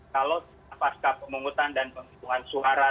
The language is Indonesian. kalau pas ke pemungutan dan penghitungan suara